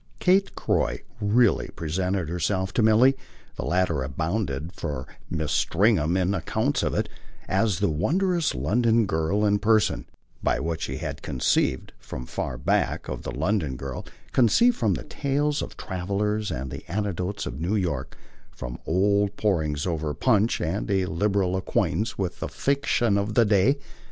Kate Croy really presented herself to Milly the latter abounded for Mrs. Stringham in accounts of it as the wondrous London girl in person (by what she had conceived, from far back, of the London girl; conceived from the tales of travellers and the anecdotes of New York, from old porings over Punch and a liberal acquaintance with the fiction of the day).